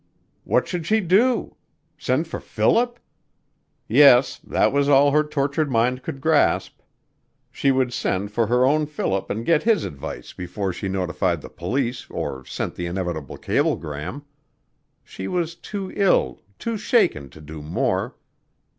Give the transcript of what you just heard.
What should she do? Send for Philip? Yes, that was all her tortured mind could grasp. She would send for her own Philip and get his advice before she notified the police or sent the inevitable cablegram. She was too ill, too shaken to do more.